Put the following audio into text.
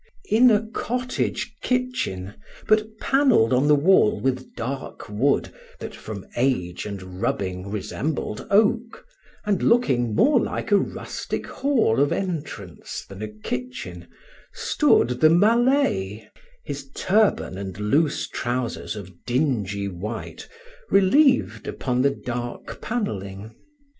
In a cottage kitchen, but panelled on the wall with dark wood that from age and rubbing resembled oak, and looking more like a rustic hall of entrance than a kitchen, stood the Malay—his turban and loose trousers of dingy white relieved upon the dark panelling.